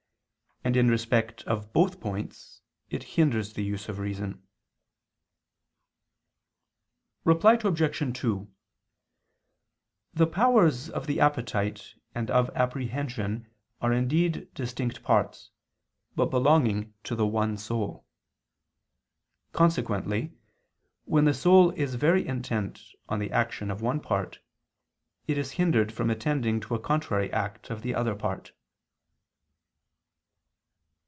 And in respect of both points, it hinders the use of reason. Reply Obj. 2: The powers of the appetite and of apprehension are indeed distinct parts, but belonging to the one soul. Consequently when the soul is very intent on the action of one part, it is hindered from attending to a contrary act of the other part.